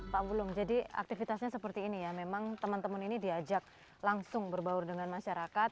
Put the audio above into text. pak bulum jadi aktivitasnya seperti ini ya memang teman teman ini diajak langsung berbaur dengan masyarakat